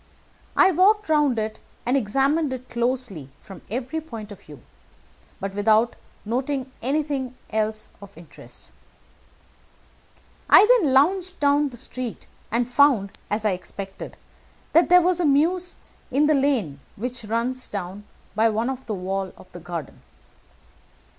I walked round it and examined it closely from every point of view, but without noting anything else of interest. "I then lounged down the street, and found, as I expected, that there was a mews in a lane which runs down by one wall of the garden.